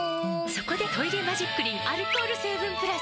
そこで「トイレマジックリン」アルコール成分プラス！